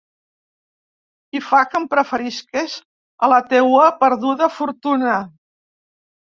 I fa que em preferisques a la teua perduda fortuna.